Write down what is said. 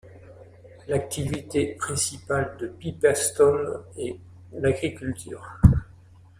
L'activité principale de Pipestone est l'agriculture.